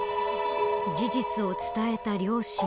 事実を伝えた両親。